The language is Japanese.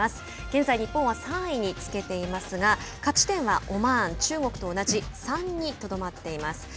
現在日本は３位につけていますが勝ち点はオマーン、中国と同じ３にとどまっています。